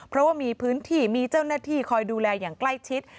เพราะว่ามีพื้นที่มีเจ้าหน้าที่คอยดูแลอย่างใกล้ชิด